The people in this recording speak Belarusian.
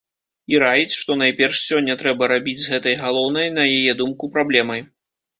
І раіць, што найперш сёння трэба рабіць з гэтай галоўнай, на яе думку, праблемай.